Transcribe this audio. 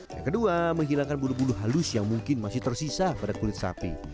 yang kedua menghilangkan bulu bulu halus yang mungkin masih tersisa pada kulit sapi